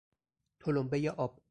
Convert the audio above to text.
تلمبهی آب